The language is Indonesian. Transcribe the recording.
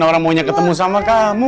orang maunya ketemu sama kamu